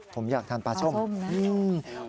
ผมอยากทานปลาส้มนะปลาส้มนะ